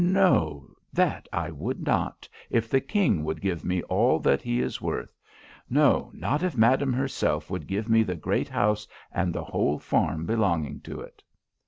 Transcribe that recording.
no, that I would not, if the king would give me all that he is worth: no, not if madam herself would give me the great house, and the whole farm belonging to it.